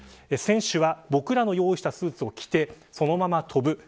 選手は僕らの用意したスーツを着て、そのまま飛ぶ。